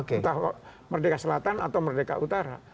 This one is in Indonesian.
entah merdeka selatan atau merdeka utara